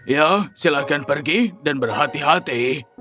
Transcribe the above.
ya silahkan pergi dan berhati hati